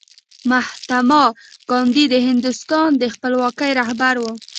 مهاتما ګاندي د هندوستان د خپلواکۍ رهبر و.